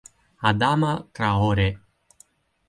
Adama Traoré